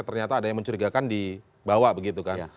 ternyata ada yang mencurigakan dibawa begitu kan